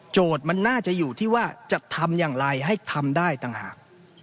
มันน่าจะอยู่ที่ว่าจะทำอย่างไรให้ทำได้ต่างหาก